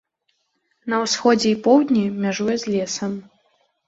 На ўсходзе і поўдні мяжуе з лесам.